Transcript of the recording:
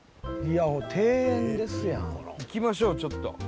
庭園ですやん行きましょうちょっと。